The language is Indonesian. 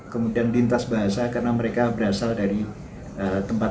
kemudian lintas bahasa karena mereka berasal dari tempat